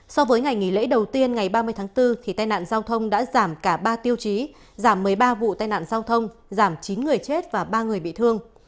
so với ngày nghỉ lễ đầu tiên ngày ba mươi tháng bốn tai nạn giao thông đã giảm cả ba tiêu chí giảm một mươi ba vụ tai nạn giao thông giảm chín người chết và ba người bị thương